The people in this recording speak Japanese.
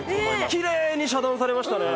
きれいに遮断されましたね。